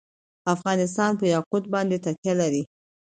افغانستان په یاقوت باندې تکیه لري.